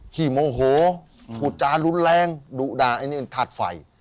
ขี่โมโหผูจารุนแรงดุดาอันนี้ทาสไฟ